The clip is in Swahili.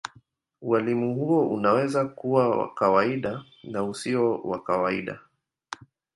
Ualimu huo unaweza kuwa wa kawaida na usio wa kawaida.